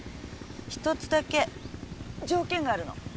１つだけ条件があるの。